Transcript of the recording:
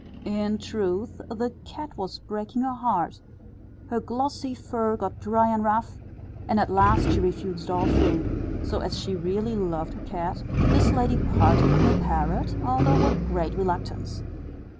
In truth, the cat was breaking her heart; her glossy fur got dry and rough, and at last she refused all food; so, as she really loved her cat, this lady parted with her parrot, although with great reluctance.